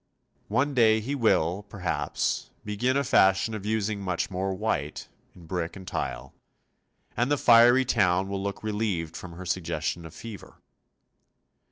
One day he will, perhaps, begin a fashion of using much more white, in brick and tile, and the fiery town will look relieved from her suggestion of fever.